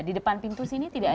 di depan pintu sini tidak ada